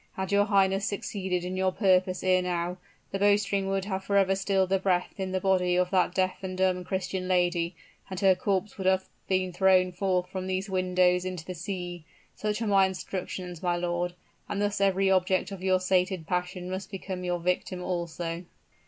Had your highness succeeded in your purpose ere now, the bow string would have forever stifled the breath in the body of that deaf and dumb Christian lady; and her corpse would have been thrown forth from these windows into the sea. Such are my instructions, my lord; and thus every object of your sated passion must become your victim also."